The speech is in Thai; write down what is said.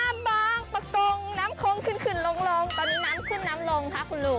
น้ำบางปะตรงน้ำคงขึ้นลงตอนนี้น้ำขึ้นน้ำลงค่ะคุณลุง